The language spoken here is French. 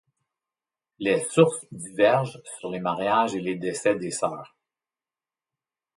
Les sources divergent sur les mariages et les décès des sœurs.